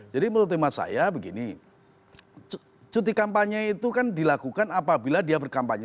jadi menurut teman saya begini cuti kampanye itu kan dilakukan apabila dia berkampanye